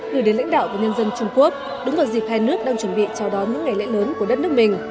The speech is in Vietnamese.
gửi đến lãnh đạo và nhân dân trung quốc đúng vào dịp hai nước đang chuẩn bị chào đón những ngày lễ lớn của đất nước mình